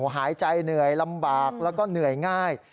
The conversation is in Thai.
หายใจเหนื่อยลำบากแล้วก็เหนื่อยง่าย